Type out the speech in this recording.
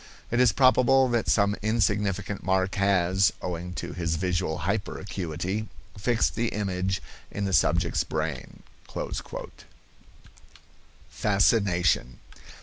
It is probable that some insignificant mark has, owing to his visual hyperacuity, fixed the image in the subject's brain." FASCINATION.